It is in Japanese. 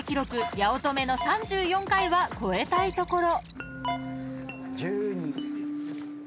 八乙女の３４回は超えたいところ］